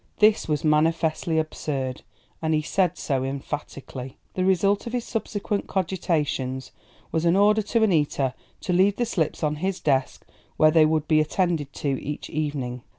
This was manifestly absurd, and he said so emphatically. The result of his subsequent cogitations was an order to Annita to leave the slips on his desk, where they would be attended to each evening.